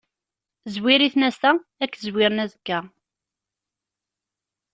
Zzwir-iten ass-a, ad k-zwiren azekka.